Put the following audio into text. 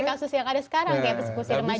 kayak persepusi remaja yang di convicted